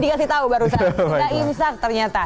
dikasih tahu barusan kita imsak ternyata